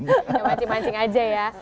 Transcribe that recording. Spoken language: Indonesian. kita mancing mancing aja ya